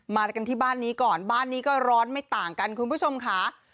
มากันที่บ้านนี้ก่อนบ้านนี้ก็ร้อนไม่ต่างกันคุณผู้ชมค่ะ